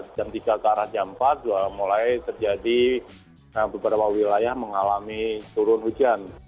jam tiga ke arah jam empat sudah mulai terjadi beberapa wilayah mengalami turun hujan